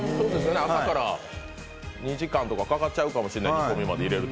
朝から２時間とかかかっちゃうかもしれない、煮込みまで入れると。